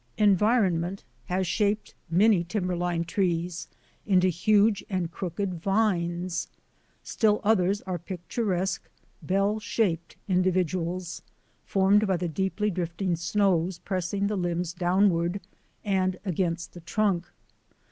Environment has shaped many timberline trees into huge and crooked vines. Still others are picturesque, bell shaped individuals formed by the deeply drifting snows pressing the limbs down ward and against the trunk.